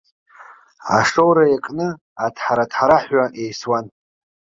Ашоура иакны аҭҳара-ҭҳараҳәа еисуан.